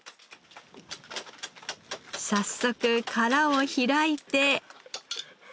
早速殻を開いて。